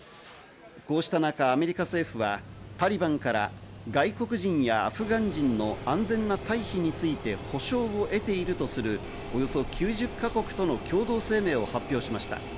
こうした中、アメリカ政府はタリバンから外国人やアフガン人の安全な退避について保証を得ているとするおよそ９０か国との共同声明を発表しました。